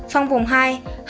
phong vùng hai hàng hóa sản xuất